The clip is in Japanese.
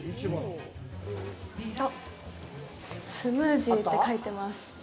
あっ、スムージーって書いてます。